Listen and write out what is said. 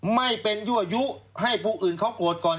ไม่เป็นยั่วยุให้ผู้อื่นเขาโกรธก่อน